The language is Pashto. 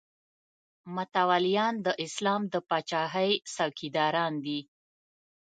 متولیان د اسلام د پاچاهۍ څوکیداران دي.